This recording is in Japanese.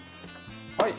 はい。